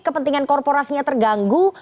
kepentingan korporasinya terganggu